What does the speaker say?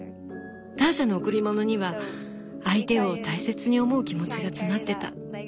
ターシャの贈り物には相手を大切に思う気持ちが詰まってた。